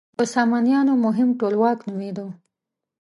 د سامانیانو مهم ټولواک نومېده.